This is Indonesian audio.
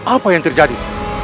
apa yang terjadi